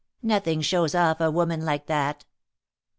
Nothing shows off a woman like that."